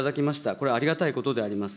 これはありがたいことであります。